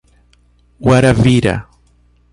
Guarabira